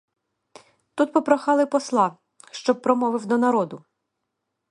Тут попрохали посла, щоб промовив до народу.